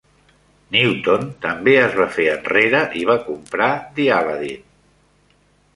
Newton també es va fer enrere i va comprar The Aladdin.